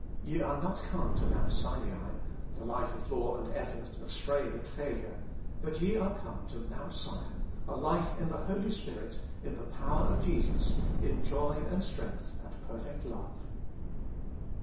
3. Ye are not come to Mount Sinai, the life of law and effort, of strain and failure. But ye are come to Mount Slon, a life in the Holy Spirit, in the power of Jesus, in joy and strength and perfect love.